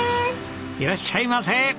いらっしゃいませ！